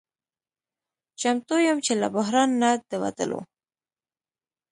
چمتو یم چې له بحران نه د وتلو